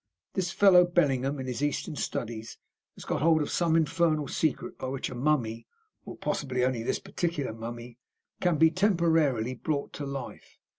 This fellow Bellingham, in his Eastern studies, has got hold of some infernal secret by which a mummy or possibly only this particular mummy can be temporarily brought to life.